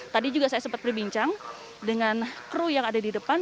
tadi juga saya sempat berbincang dengan kru yang ada di depan